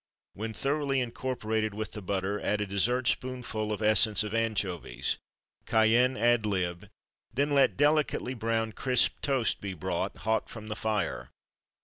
When thoroughly incorporated with the butter add a dessert spoonful of essence of anchovies. Cayenne ad lib. Then let delicately browned crisp toast be brought, hot from the fire.